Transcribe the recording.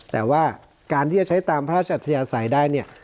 แต่ว่าการที่จะใช้ตามพระชัทยาศัยได้